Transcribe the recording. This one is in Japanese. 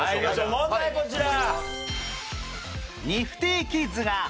問題こちら！